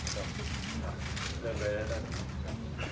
สวัสดีครับ